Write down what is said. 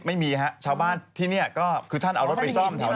ไม่มีฮะชาวบ้านที่นี่ก็คือท่านเอารถไปซ่อมแถว